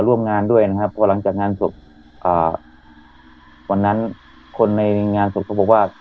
ร่วมงานด้วยนะครับพอหลังจากงานศพอ่าวันนั้นคนในงานศพเขาบอกว่า